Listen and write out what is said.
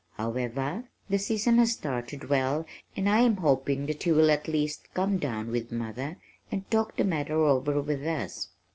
However, the season has started well and I am hoping that he will at least come down with mother and talk the matter over with us."